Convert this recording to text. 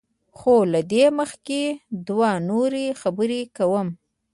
خو له دې مخکې دوه نورې خبرې کوم.